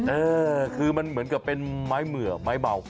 เออคือมันเหมือนกับเป็นไม้เหมือไม้เบา